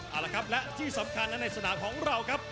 เอาละครับและที่สำคัญและในสนามของเราครับ